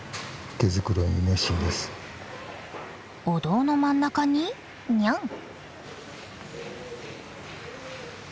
お堂の真ん中にニャン。